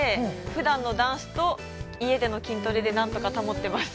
ふだんのダンスと家での筋トレで何とか保っています。